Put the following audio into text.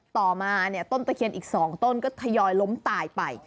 ต่อมาเนี่ยต้นตะเคียนอีก๒ต้นก็ทยอยล้มตายไป